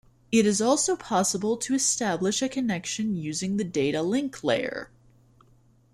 It is also possible to establish a connection using the data link layer.